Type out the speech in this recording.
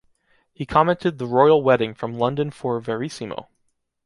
He commented “The Royal Wedding” from London for “Verissimo”.